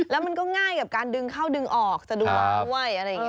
แล้วมันก็ง่ายกับการดึงเข้าดึงออกสะดวกด้วยอะไรอย่างนี้